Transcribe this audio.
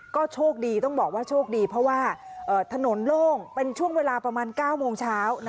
ก็โชคดีเพราะว่าถนนโล่งเป็นช่วงเวลาประมาณเก้ามงเช้า